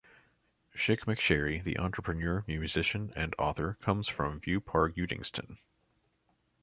Chic McSherry, the entrepreneur, musician and author comes from Viewpark, Uddingston.